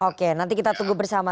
oke nanti kita tunggu bersama